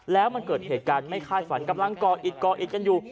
แล้วมันเกิดเหตุการณ์ไม่คาดฝันกำลังก่ออิดก่ออิดกันอยู่